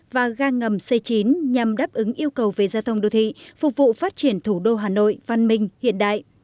và ga ngầm c chín nhằm đáp ứng yêu cầu về giao thông đô thị phục vụ phát triển thủ đô hà nội văn minh hiện đại